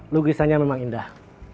lukisannya memang indah